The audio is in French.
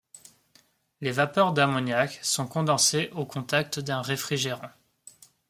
Les vapeurs d’ammoniac sont condensées au contact d’un réfrigérant.